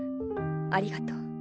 ありがとう。